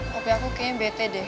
kopi aku kayaknya bete deh